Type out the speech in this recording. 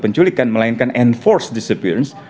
penculikan melainkan enforced disappearance